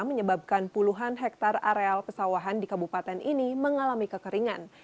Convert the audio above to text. menyebabkan puluhan hektare areal pesawahan di kabupaten ini mengalami kekeringan